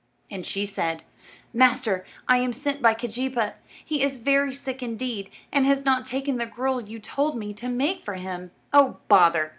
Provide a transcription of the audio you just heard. And she said: "Master, I am sent by Keejeepaa. He is very sick indeed, and has not taken the gruel you told me to make for him." "Oh, bother!"